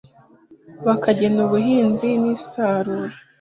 bakagena ubuhinzi n’isarura